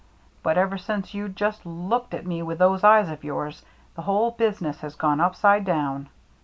But ever since you just looked at me with those eyes of yours, the whole business has gone upside down.